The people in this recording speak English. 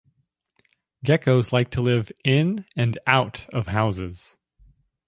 Geckos like to live in and out of houses.